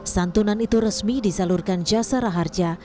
santunan itu resmi disalurkan jasara harja